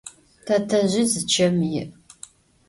Tetezj zı çem yi'.